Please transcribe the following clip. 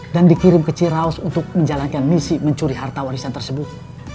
dan dikirim ke ciraus untuk menjalankan misi mencuri harta warisan tersebut